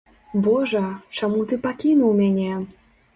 Божа, чаму ты пакінуў мяне?